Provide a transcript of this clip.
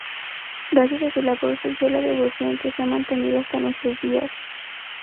Gracias a su labor surgió la devoción que se ha mantenido hasta nuestros días.